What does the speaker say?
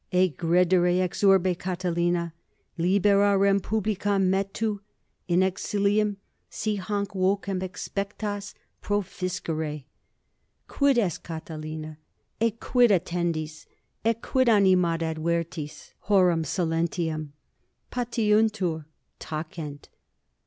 Egredere ex urbe, Catilina, libera rem publicam metu, in exilium, si hanc vocem exspectas, proficiscere. Quid est, Catilina? ecquid attendis, ecquid animadvertis horum silentium? Patiuntur, tacent.